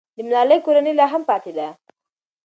د ملالۍ کورنۍ لا هم پاتې ده.